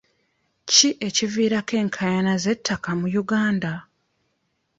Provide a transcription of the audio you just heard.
Ki ekiviirako enkaayana z'ettaka mu Uganda?